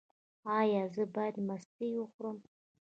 ایا زه باید مستې وخورم؟